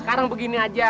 sekarang begini aja